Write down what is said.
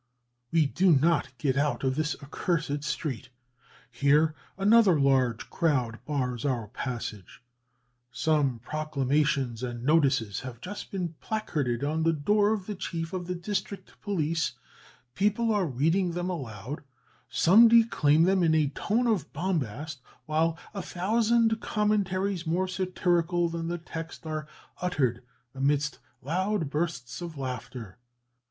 "We do not get out of this accursed street! Here another large crowd bars our passage; some proclamations and notices have just been placarded on the door of the chief of the district police; people are reading them aloud; some declaim them in a tone of bombast; while a thousand commentaries, more satirical than the text, are uttered amidst loud bursts of laughter.